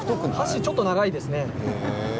ちょっと長いですね。